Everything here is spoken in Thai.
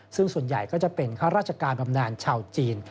ซึ่งส่วนใหญ่ก็จะเป็นข้าราชการบำนานชาวจีน